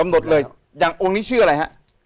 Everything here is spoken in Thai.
หมดเลยอย่างองค์นี้ชื่ออะไรฮะ